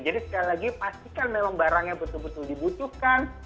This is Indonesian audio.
jadi sekali lagi pastikan memang barangnya betul betul dibutuhkan